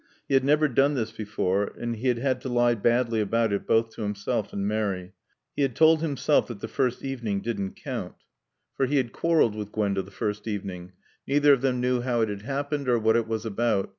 He had never done this before and he had had to lie badly about it both to himself and Mary. He had told himself that the first evening didn't count. For he had quarreled with Gwenda the first evening. Neither of them knew how it had happened or what it was about.